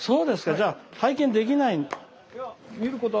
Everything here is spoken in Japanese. じゃあ拝見できない。